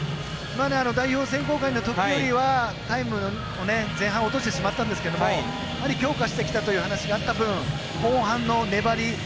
代表選考会のときよりはタイムをね、前半落としてしまったんですけども強化してきたという話があった分後半の粘り